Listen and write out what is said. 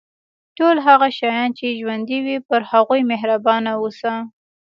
ټول هغه شیان چې ژوندي وي پر هغوی مهربان اوسه.